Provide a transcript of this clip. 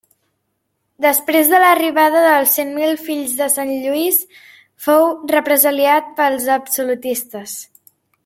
Després de l'arribada dels Cent Mil Fills de Sant Lluís fou represaliat pels absolutistes.